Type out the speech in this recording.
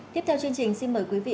tiếp theo chương trình xin mời quý vị